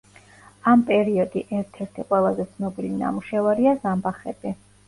ამ პერიოდი ერთ-ერთი ყველაზე ცნობილი ნამუშევარია ზამბახები.